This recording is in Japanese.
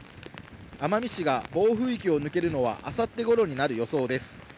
奄美市が暴風域を抜けるのはあさって頃になる予想です。